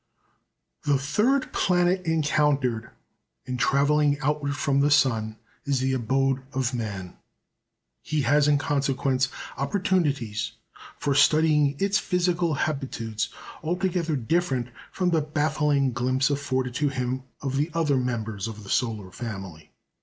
The third planet encountered in travelling outward from the sun is the abode of man. He has in consequence opportunities for studying its physical habitudes altogether different from the baffling glimpse afforded to him of the other members of the solar family.